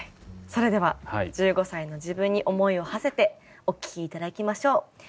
それでは１５歳の自分に思いをはせてお聴き頂きましょう。